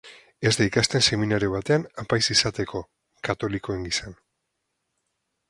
Ez da ikasten seminario batean apaiz izateko, katolikoen gisan.